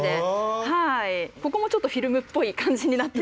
ここもちょっとフィルムっぽい感じになってたり。